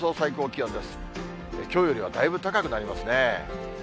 きょうよりはだいぶ高くなりますね。